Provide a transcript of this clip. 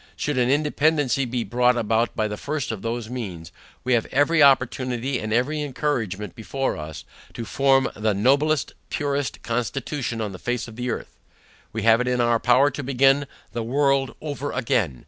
Should an independancy be brought about by the first of those means, we have every opportunity and every encouragement before us, to form the noblest purest constitution on the face of the earth. We have it in our power to begin the world over again.